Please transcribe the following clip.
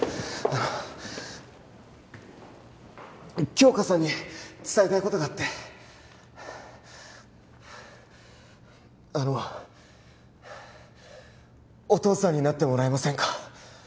あの杏花さんに伝えたいことがあってあのお父さんになってもらえませんか？